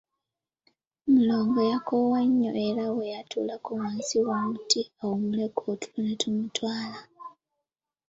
Mulongo yakoowa nnyo era bwe yatuulako wansi w'omuti awumuleko otulo ne tumutwala.